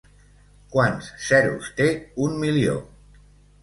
Quants zeros té un milió?